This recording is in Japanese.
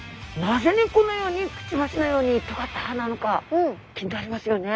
なぜにこのようにくちばしのようにとがった歯なのか気になりますよね。